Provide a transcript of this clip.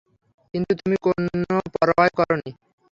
কিন্তু তুমি কোন পরোয়াই করোনি।